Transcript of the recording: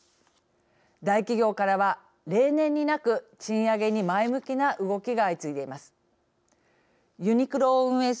大企業からは、例年になく賃上げに前向きな動きが相次いでいます。